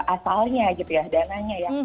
asalnya gitu ya dananya yang